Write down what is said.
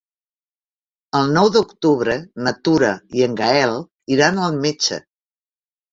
El nou d'octubre na Tura i en Gaël iran al metge.